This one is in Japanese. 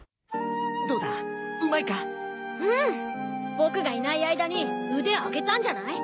僕がいない間に腕上げたんじゃない？